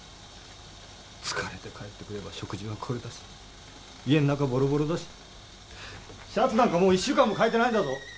疲れて帰ってくれば食事はこれだし家ん中ボロボロだしシャツなんかもう１週間もかえてないんだぞ！？